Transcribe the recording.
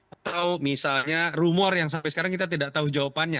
atau misalnya rumor yang sampai sekarang kita tidak tahu jawabannya